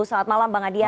selamat malam bang adhian